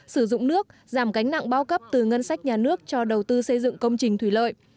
sử dụng nước giảm cánh nặng bao cấp từ ngân sách nhà nước cho đầu tư xây dựng công trình thủy lợi